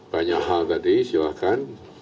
banyak hal tadi silahkan